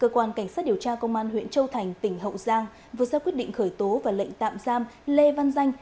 cơ quan cảnh sát điều tra công an huyện châu thành tỉnh hậu giang vừa ra quyết định khởi tố và lệnh tạm giam lê văn danh